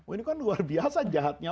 ini kan luar biasa jahatnya